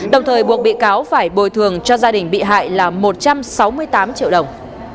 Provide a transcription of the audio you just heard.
đồng thời buộc bị cáo phải bồi thường cho gia đình bị hại là một trăm sáu mươi tám triệu đồng